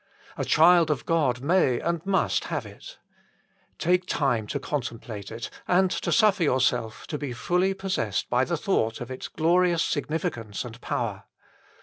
A child of God may and must have it. Take time to con template it and to suffer yourself to be fully possessed by the thought of its glorious signi ficance and power.